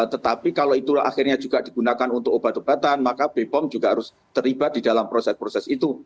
tetapi kalau itu akhirnya juga digunakan untuk obat obatan maka bepom juga harus terlibat di dalam proses proses itu